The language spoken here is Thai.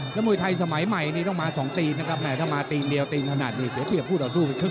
แล้วมวยไทยสมัยใหม่นี่ต้องมา๒ธีมนะครับแม่ถ้ามาตีนเดียวตีนขนาดนี้เสียเปรียบคู่ต่อสู้ไปครึ่ง